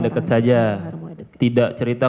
deket saja tidak cerita